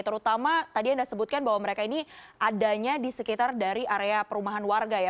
terutama tadi anda sebutkan bahwa mereka ini adanya di sekitar dari area perumahan warga ya